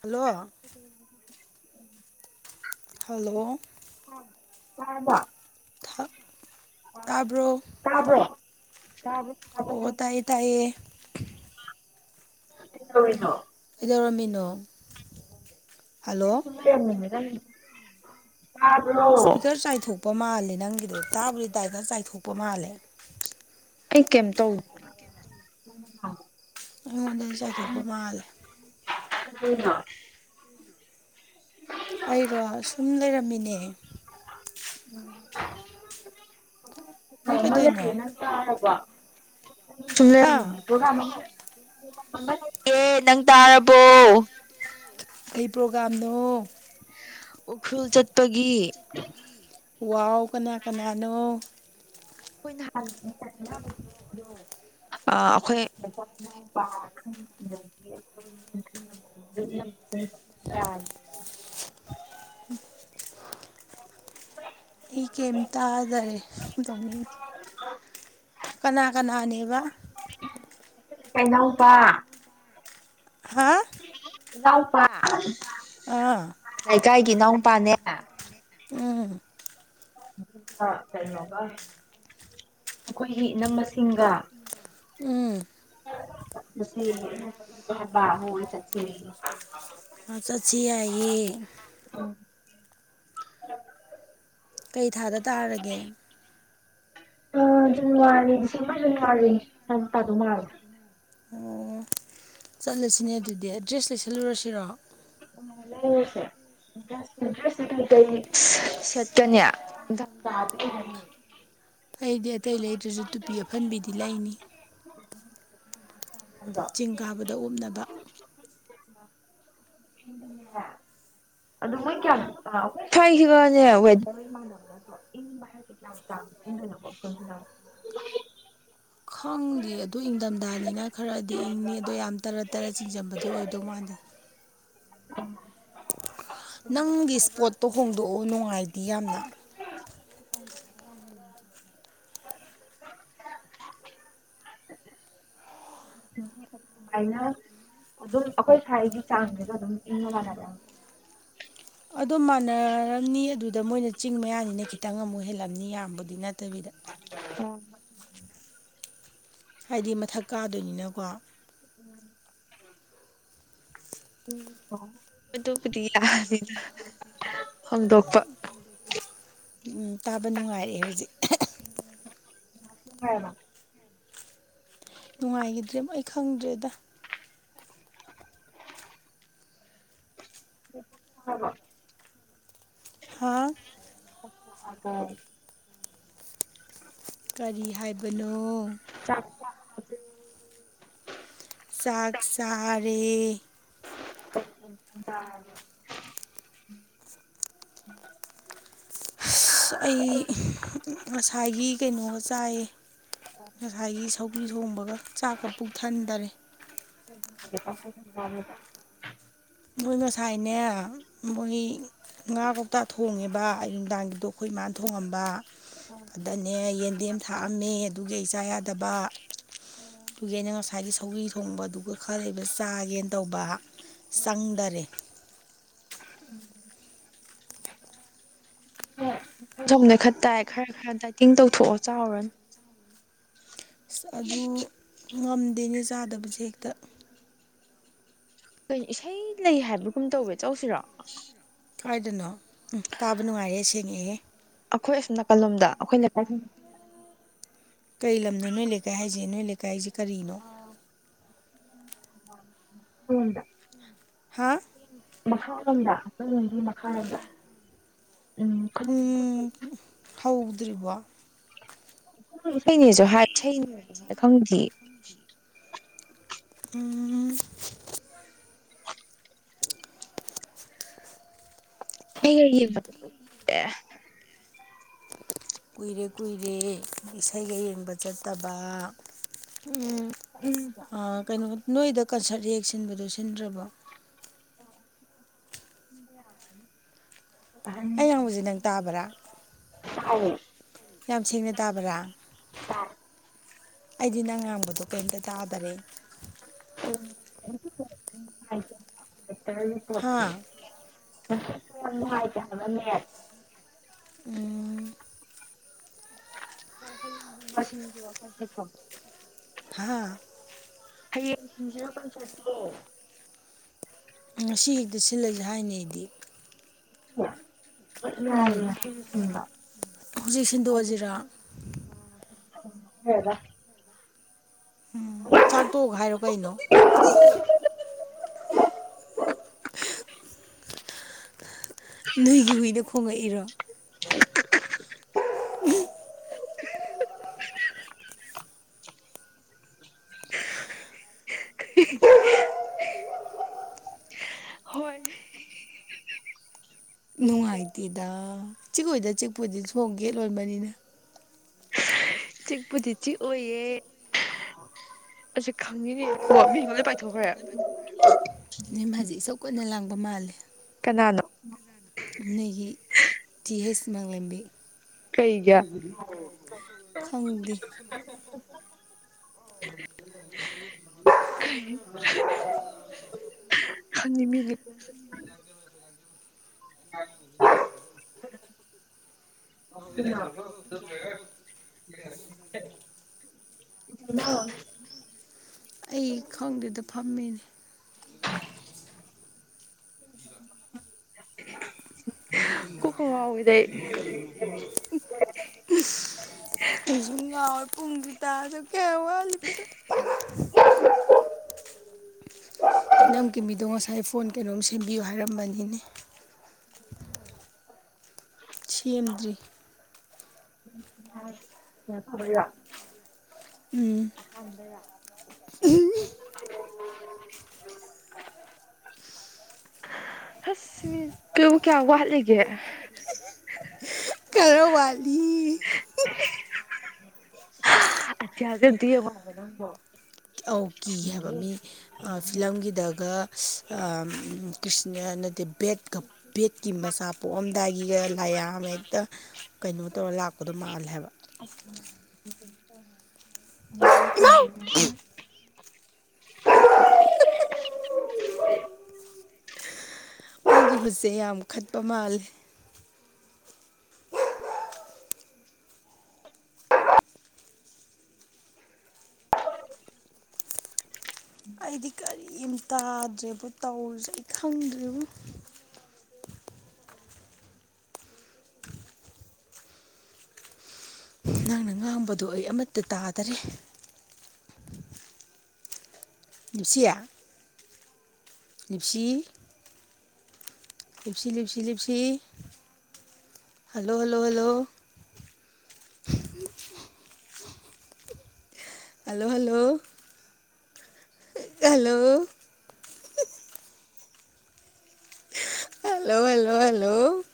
Hello ꯍ hello ꯑ ꯍ ꯇꯥꯕ꯭ꯔꯣ ꯀꯕ ꯆꯥꯕ ꯑꯣ ꯇꯥꯏꯌꯦ ꯇꯥꯏꯌꯦ ꯊꯅꯣ ꯀꯩꯗꯧꯔꯝꯃꯤꯅꯣ ꯍꯜꯂꯣ ꯀ ꯑ ꯏꯁꯄꯤꯀꯔ ꯆꯥꯏꯊꯣꯛꯄ ꯃꯥꯜꯂꯦ ꯅꯪꯒꯤꯗꯣ ꯇꯥꯕꯨꯗꯤ ꯗꯥꯏ ꯈꯔ ꯆꯥꯏꯊꯣꯛꯄ ꯃꯥꯜꯂꯦ ꯑꯩ ꯀꯩ ꯇꯧꯗ ꯑꯩꯉꯣꯟꯗꯗꯤ ꯆꯥꯏꯊꯣꯛꯄ ꯃꯥꯜꯂꯦ ꯎꯝ ꯑꯩꯔꯣ ꯁꯨꯝ ꯂꯩꯔꯝꯃꯤꯅꯦ ꯅꯪ ꯎꯝ [inaudible] ꯀꯩꯗꯣꯏꯅꯣ ꯍꯥꯥ ꯕ ꯂꯩꯦ ꯅꯪ ꯇꯥꯔꯕꯣ ꯀꯩ ꯄ꯭ꯔꯣꯒꯥꯝꯅꯣ ꯎꯈ꯭ꯔꯨꯜ ꯆꯠꯄꯒꯤ ꯋꯥꯎ ꯀꯅꯥ ꯀꯅꯥꯅꯣ ꯑꯩꯈꯥꯟ ꯑꯩꯈꯣꯏ ꯄꯥꯔ ꯂꯩ ꯑꯩ ꯀꯔꯤꯝ ꯇꯥꯗꯔꯦ ꯇꯧꯅꯤꯡꯦ ꯀꯅꯥ ꯀꯅꯥꯅꯦꯕ ꯀꯩꯅꯥꯎꯕ ꯍꯥ ꯂꯎꯄꯥ ꯑꯥ ꯂꯩꯀꯥꯏꯒꯤ ꯏꯅꯥꯎ ꯅꯨꯄꯥꯅꯦ ꯎꯝ ꯀꯣꯕ ꯑꯩꯈꯣꯏꯒꯤ ꯏꯅꯝꯃꯁꯤꯡꯒ ꯎꯝ ꯕꯨ ꯆꯠꯁꯤ ꯆꯠꯁꯤ ꯌꯥꯏꯌꯦ ꯀꯩ ꯊꯥꯗ ꯇꯥꯔꯒꯦ ꯖꯅꯋꯥꯔꯤ ꯗꯤꯁꯦꯝꯕꯔꯒꯤ ꯇꯔꯤ ꯅꯪ ꯇꯥꯗꯧ ꯃꯥꯜꯂꯦ ꯑꯣ ꯆꯠꯂꯁꯤꯅꯦ ꯑꯗꯨꯗꯤ ꯑꯦꯗ꯭ꯔꯦꯁ ꯂꯩꯁꯜꯂꯨꯔꯁꯤꯔꯣ ꯑꯁꯦ ꯗ ꯀꯩꯀꯩ ꯁꯦꯠꯀꯅꯤ ꯑꯩꯗꯤ ꯑꯇꯩ ꯂꯩꯇ꯭ꯔꯁꯨ ꯇꯨꯄꯤ ꯑꯐꯟꯕꯤꯗꯤ ꯂꯩꯅꯤ ꯆꯤꯡ ꯀꯥꯕꯗ ꯎꯞꯅꯕ ꯑꯥ ꯐꯒꯅꯦ ꯣ ꯈꯪꯗꯦ ꯑꯗꯨ ꯏꯪꯊꯝꯊꯥꯅꯤꯅ ꯈꯔꯗꯤ ꯏꯪꯅꯤ ꯑꯗꯣ ꯌꯥꯝ ꯇꯔꯥ ꯇꯔꯥ ꯆꯤꯡꯖꯕꯗꯤ ꯑꯣꯏꯗꯧ ꯃꯥꯟꯦꯗ ꯎꯝ ꯅꯪꯒꯤ ꯏꯁꯄꯣꯠꯇꯣ ꯍꯣꯡꯗꯣꯛꯎ ꯅꯨꯡꯉꯥꯏꯗꯤ ꯌꯥꯝꯅ [inaudible] [unintelligible] ꯅ ꯑꯗꯨꯝ ꯑꯩꯈꯣꯏ ꯁꯋꯥꯥꯏꯒꯤ ꯆꯥꯡꯁꯤꯒ ꯑꯗꯨꯝ ꯏꯪꯕ ꯃꯥꯥꯟꯅꯗ ꯑꯗꯨꯝ ꯃꯥꯟꯅꯔꯝꯅꯤ ꯑꯗꯨꯗ ꯃꯣꯏꯅ ꯆꯤꯡ ꯃꯌꯥꯅꯤꯅ ꯈꯤꯇꯪ ꯑꯃꯨꯛ ꯍꯦꯜꯂꯛ ꯃꯤ ꯌꯥꯝꯕꯨꯗꯤ ꯅꯠꯇꯕꯤꯗ [inaudible] ꯍꯥꯏꯗꯤ ꯃꯊꯛ ꯀꯥꯗꯣꯏꯅꯤꯅꯀꯣ [inaudible] ꯑꯥꯗꯨꯄꯨꯗꯤ [unintelligible] ꯍꯨꯝꯗꯣꯛꯄ ꯎꯝ ꯇꯥꯕ ꯅꯨꯡꯉꯥꯏꯔꯛꯑꯦ ꯍꯧꯖꯤꯛ [inaudible] ꯅꯨꯡꯉꯥꯏꯒꯤꯗ꯭ꯔꯦ ꯑꯩ ꯈꯪꯗ꯭ꯔꯦꯗ [unintelligible] ꯍꯥꯥ [unintelligible] ꯀꯔꯤ ꯍꯥꯏꯕꯅꯣ ꯆꯥꯛ ꯆꯥꯛ ꯆꯥꯔꯦ [inaudible] ꯑꯁ ꯑꯩ ꯉꯁꯥꯏꯒꯤ ꯀꯩꯅꯣꯒ ꯆꯥꯏꯌꯦ ꯉꯁꯥꯏꯒꯤ ꯁꯧꯒꯔꯤ ꯊꯣꯡꯕꯒ ꯆꯥꯛꯀ ꯄꯨꯛ ꯊꯟꯗꯔꯦ [unintelligible] ꯃꯣꯏ ꯉꯁꯥꯏꯅꯦ ꯃꯣꯏ ꯉꯥ ꯀꯧ [unintelligible] ꯊꯣꯡꯉꯦꯕ ꯑ ꯅꯨꯡꯗꯥꯡꯒꯤꯗꯣ ꯑꯩꯈꯣꯏ ꯏꯃꯥꯅ ꯊꯣꯡꯉꯝꯕ [inaudible] ꯑꯗꯅꯦ ꯌꯦꯟꯗꯦꯝ ꯊꯥꯛꯑꯝꯃꯦ ꯑꯗꯨꯒꯤ ꯑꯩ ꯆꯥ ꯌꯥꯗꯕ [inaudible] ꯑꯗꯨꯒꯤ ꯑꯩꯅ ꯉꯁꯥꯏꯒꯤ ꯁꯧꯒꯤ ꯊꯣꯡꯕ ꯑꯗꯨꯒ ꯈꯔ ꯂꯩꯕ ꯆꯥꯒꯦꯅ ꯇꯧꯕ ꯆꯪꯗꯔꯦ [unintelligible] ꯈꯔ ꯈꯔ ꯗꯥꯏꯇꯤꯡ ꯇꯧꯊꯣꯛꯑꯣ ꯆꯥꯎꯔꯅꯨ ꯑꯁ ꯑꯗꯨ ꯉꯝꯗꯦꯅꯦ ꯆꯥꯗꯕꯁꯦ ꯍꯦꯛꯇ ꯀꯩ ꯏꯁꯩ ꯂꯩ ꯍꯥꯏꯕꯒꯨꯝ ꯇꯧꯋꯦ ꯆꯧꯁꯤꯔꯣ ꯀꯥꯏꯗꯅꯣ ꯎꯝ ꯇꯥꯕ ꯅꯨꯡꯉꯥꯏꯍꯦ ꯁꯦꯡꯉꯦꯍꯦ ꯑꯩꯈꯣꯏ ꯑꯁꯣꯝ ꯅꯥꯀꯜꯂꯣꯝꯗ ꯑꯩꯈꯣꯏ ꯅꯥꯀꯟ ꯀꯔꯤ ꯂꯝꯅꯣ ꯅꯣꯏ ꯂꯩꯀꯥꯏ ꯍꯥꯏꯁꯦ ꯅꯣꯏ ꯂꯩꯀꯥ ꯍꯥꯏꯖꯦ ꯀꯔꯤꯅꯣ [unintelligible] ꯍꯥꯥ ꯃꯈꯥꯔꯣꯝꯗ ꯑꯩꯈꯣꯏꯒꯤ ꯃꯈꯥꯔꯣꯗ ꯎꯝ ꯎꯝ ꯍꯧꯗ꯭ꯔꯤꯕꯣ ꯄꯨꯡ ꯏꯁꯩꯅꯦꯁꯨ ꯍꯥꯏ [unintelligible] ꯈꯪꯗꯤꯌꯦ ꯎꯝ [unintelligible] [unintelligible] ꯀꯨꯏꯔꯦ ꯀꯨꯏꯔꯦ ꯏꯁꯩꯒ ꯌꯦꯡꯕ ꯆꯠꯇꯕ ꯎꯝ ꯑ ꯀꯩꯅꯣ ꯅꯣꯏꯗ ꯀꯟꯁꯔꯠ ꯍꯦꯛ ꯍꯦꯛ ꯁꯤꯟꯕꯗꯣ ꯁꯤꯟꯗ꯭ꯔꯕꯣ [inaudible] ꯑꯩ ꯉꯥꯡꯕꯖꯤ ꯅꯪ ꯇꯥꯕ꯭ꯔꯥ [unintelligible] ꯌꯥꯝ ꯁꯦꯡꯅ ꯇꯥꯕ꯭ꯔꯥ ꯑꯩꯗꯤ ꯅꯪ ꯉꯥꯡꯕꯗꯣ ꯀꯩꯏꯝꯇ ꯇꯥꯗꯔꯦ [unintelligible] [unintelligible] ꯍꯥ ꯍꯥꯏꯕ ꯅꯦꯠ ꯎꯝ [unintelligible] ꯍꯌꯦꯡ ꯍꯥ [unintelligible] ꯉꯁꯤ ꯍꯦꯛꯇ ꯁꯤꯜꯂꯁꯦ ꯍꯥꯏꯅꯤ ꯑꯩꯗꯤ꯫ ꯎꯝ [unintelligible] ꯍꯧꯖꯤꯛ ꯁꯤꯟꯗꯣꯛꯑꯁꯤꯔꯥ [unintelligible] ꯆꯥꯛ ꯇꯣꯛꯑꯒ ꯍꯥꯏꯔꯣ ꯀꯩꯅꯣ [unintelligible] ꯅꯣꯏꯒꯤ ꯍꯨꯏꯗꯨ ꯈꯣꯡꯉꯛꯏꯔꯣ꯫ [unintelligible] ꯍꯣꯏ [unintelligible] ꯅꯨꯡꯉꯥꯏꯇꯦꯗ ꯆꯤꯛꯑꯣꯏꯗ ꯆꯤꯛꯄꯨꯗꯤ ꯁꯣꯝ ꯒꯦꯠ ꯂꯣꯟꯕꯅꯤꯅ꯫ ꯆꯤꯛꯄꯨꯗꯤ ꯆꯤꯛꯑꯣꯏꯌꯦ꯫ ꯑꯁꯤ ꯈꯪꯉꯤꯅꯦꯕꯀꯣ ꯃꯤꯍꯨꯟꯒ ꯂꯣꯏ ꯄꯥꯏꯊꯣꯛꯈ꯭ꯔꯦ꯫ [unintelligible] ꯏꯁꯧ ꯀꯟꯅ ꯂꯥꯡꯕ ꯃꯥꯜꯂꯦ꯫ ꯀꯅꯥꯅꯣ꯫ ꯃꯤꯒꯤ ꯇꯤ ꯍꯩꯁ ꯃꯪꯂꯦꯝꯕꯤ꯫ ꯀꯩꯒꯤ ꯈꯪꯗꯦ꯫ [unintelligible] ꯍꯅꯤꯃꯤꯅꯤ [inaudible] [inaudible] [inaudible] ꯑꯩ ꯈꯪꯗꯗ ꯐꯝꯃꯤꯅꯦ [inaudible] ꯀꯣꯛꯀ ꯉꯥꯎꯋꯤꯗ ꯑꯩ [inaudible] ꯑꯩꯁꯨꯨꯝ ꯉꯥꯎꯋꯦ ꯄꯨꯡꯗꯤ ꯇꯥꯁꯨ ꯀꯌꯥ ꯋꯥꯂꯤꯄꯗꯣ [inaudible] ꯏꯅꯝꯒꯤ ꯃꯤꯗꯣ ꯉꯁꯥꯏ ꯐꯣꯟ ꯀꯩꯅꯣꯝ ꯁꯦꯝꯕꯤꯌꯨ ꯍꯥꯏꯔꯝꯕꯅꯤꯅꯦ ꯎꯝ ꯁꯦꯝꯗ꯭ꯔꯤ ꯊꯂ ꯎꯝ ꯍꯗ ꯌꯥ ꯑꯁ ꯃꯤ ꯀꯕꯨ ꯀꯌꯥ ꯋꯥꯠꯂꯤꯒꯦ ꯋꯥꯂꯤ ꯑꯁꯦꯗꯤꯥꯎ ꯑꯧ ꯀꯤ ꯍꯥꯏꯕ ꯃꯤ ꯐꯤꯂꯝꯒꯤꯗꯒ ꯀ꯭ꯔꯤꯁꯅ ꯅꯠꯇꯦ ꯕꯦꯠꯀ ꯕꯦꯠꯀꯤ ꯃꯆꯥ ꯄꯣꯛꯑꯝꯗꯥꯏꯒꯤꯒ ꯂꯥꯏꯌꯥꯡ ꯍꯦꯛꯇ ꯀꯩꯅꯣ ꯇꯧꯔꯒ ꯂꯥꯛꯄꯗꯣ ꯃꯥꯜꯂꯦꯕ ꯏꯃꯥꯎ [inaudible] ꯑꯩꯒꯤ ꯍꯠꯁꯦ ꯌꯥꯝ ꯈꯠꯄ ꯃꯥꯜꯂꯦ ꯑꯩꯗꯤ ꯀꯔꯤꯝ ꯇꯥꯗ꯭ꯔꯦꯕꯨꯣ ꯇꯧꯔꯁꯦ ꯑꯩ ꯈꯪꯗ꯭ꯔꯦꯕꯨ ꯅꯪꯅ ꯉꯥꯡꯕꯗꯣ ꯑꯩ ꯑꯃꯠꯇ ꯇꯥꯗꯔꯦ ꯞꯁꯤꯌꯥ ꯞꯁꯤ ꯂꯤꯞꯁꯤ ꯂꯤꯞꯁꯤ ꯂꯤꯞꯁꯤ hello hello hello hello hello hello hello hello hello